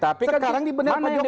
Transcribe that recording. tapi sekarang dibenahi pak jokowi